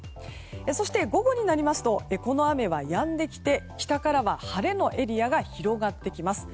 そして、午後になりますとこの雨は、やんできて北からは晴れのエリアが広がってきます。